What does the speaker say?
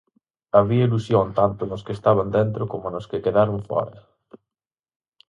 Había ilusión tanto nos que estaban dentro como nos que quedaron fóra.